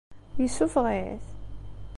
Yessuffeɣ-it?